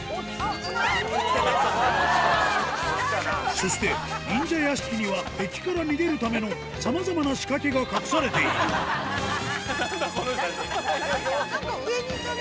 そして忍者屋敷には敵から逃げるためのさまざまな仕掛けが隠されている何だ？